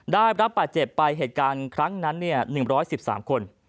ได้รับบาดเจ็บไปเหตุการณ์ครั้งนั้น๑๑๓คน